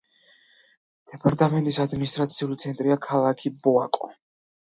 დეპარტამენტის ადმინისტრაციული ცენტრია ქალაქი ბოაკო.